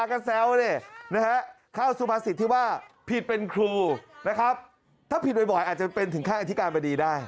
ก็ต้องมีค่าอธิการไปดีได้